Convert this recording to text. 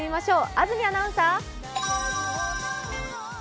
安住アナウンサー！